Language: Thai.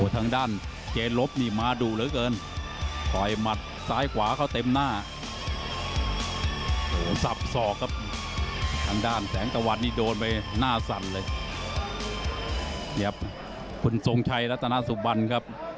ส่งมวยแต่เราไฟต์ที่ผ่านมากับไฟต์ที่ต่าง